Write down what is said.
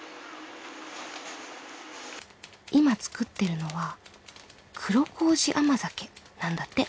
今作ってるのは黒麹甘酒なんだって。